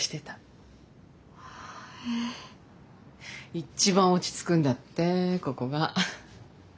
一番落ち着くんだってここが。